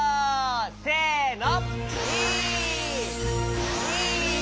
せの！